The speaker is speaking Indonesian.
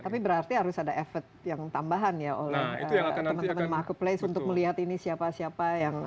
tapi berarti harus ada efek yang tambahan ya oleh teman teman marketplace untuk melihat ini siapa siapa yang